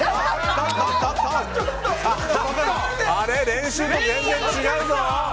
練習と全然違うぞ！